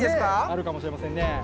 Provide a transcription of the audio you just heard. あるかもしれませんね。